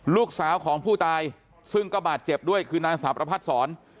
ลูกสาวของผู้ตายซึ่งก็บาดเจ็บด้วยคือนางสาวประพัดศร